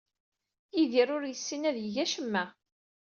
Yidir ur yessin ad yeg acemma.